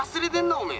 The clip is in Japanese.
おめえ！